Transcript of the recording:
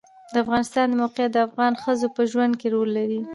د افغانستان د موقعیت د افغان ښځو په ژوند کې رول لري.